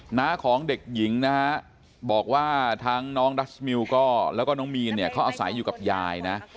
หน้าของเด็กหญิงนะฮะบอกว่าทั้งน้องดัชมิวก็แล้วก็น้องมีนเนี่ยเขาอาศัยอยู่กับยายนะ